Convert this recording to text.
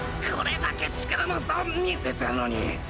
これだけ力の差を見せたのに！